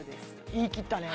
言い切ったね